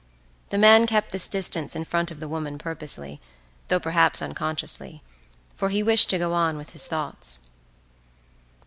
The man kept this distance in front of the woman purposely, though perhaps unconsciously, for he wished to go on with his thoughts.